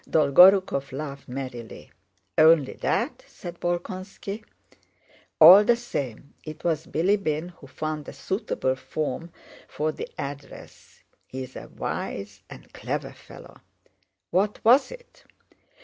'" Dolgorúkov laughed merrily. "Only that?" said Bolkónski. "All the same, it was Bilíbin who found a suitable form for the address. He is a wise and clever fellow." "What was it?"